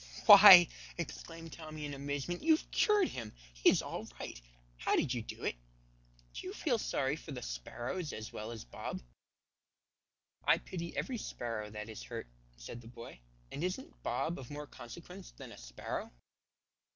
"Why," exclaimed Tommy in amazement, "you've cured him! He is all right. How did you do it? Do you feel sorry for the sparrows as well as Bob?" "I pity every sparrow that is hurt," said the boy, "and isn't Bob of more consequence than a sparrow?"